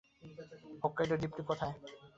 Hokkaido দ্বীপটি কোথায়?